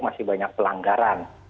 masih banyak pelanggaran